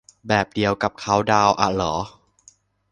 แบบเดียวกับเคาน์ดาวน์อะเหรอ